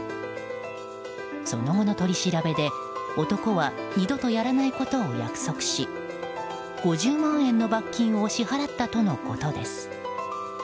その後の取り調べで男は二度とやらないことを約束し５０万円の罰金を支払ったとのことです。